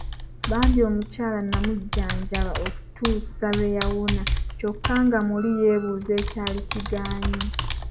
Bambi omukyala n’amujjanjaba okutuusa lwe yawona kyokka nga muli yeebuuza ekyali kigaanyi.